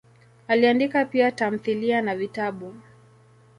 Aliandika pia tamthilia na vitabu.